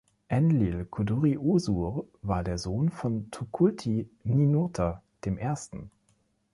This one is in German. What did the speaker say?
Enlil-kudurri-usur war der Sohn von Tukulti-Ninurta dem Ersten.